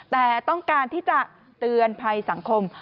แต่ต้องการที่จะเตือนภัยสังคม